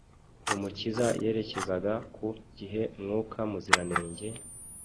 Umukiza yerekezaga ku gihe Mwuka Muziranenge,